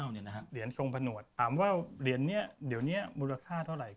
เหรียญทรงผนวดถามว่าเหรียญนี้เดี๋ยวนี้มูลค่าเท่าไหร่